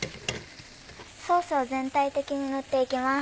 ソースを全体的に塗っていきます。